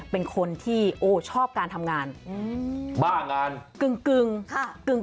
เป็นคนที่โอ้ชอบการทำงานบ้างาน